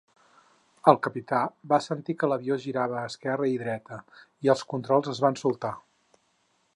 El capità va sentir que l'avio girava a esquerra i dreta, i els controls es van soltar.